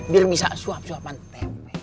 biar bisa suap suapan tempe